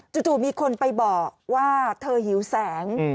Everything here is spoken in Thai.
จู่มีคนไปบอกว่าเธอหิวแสง